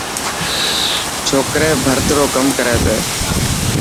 ڇوڪري ڀرت رو ڪم ڪري تي.